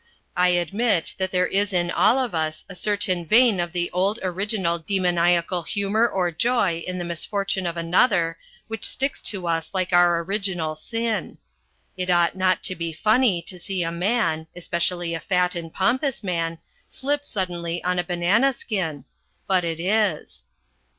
I admit that there is in all of us a certain vein of the old original demoniacal humour or joy in the misfortune of another which sticks to us like our original sin. It ought not to be funny to see a man, especially a fat and pompous man, slip suddenly on a banana skin. But it is.